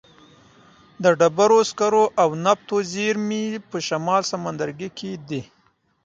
د ډبرو سکرو او نفتو زیرمې په شمال سمندرګي کې دي.